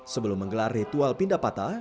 sebelum menggelar ritual pindah patah